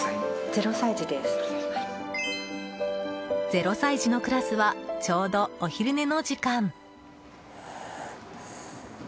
０歳児のクラスはちょうど、お昼寝の時間。